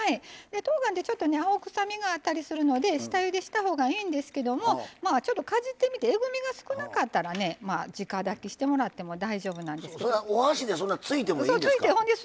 とうがん、ちょっと青臭みがあったりして下ゆでしたほうがいいんですけどちょっとかじってみてえぐみが少なかったら直焚きしてもらっても大丈夫なんです。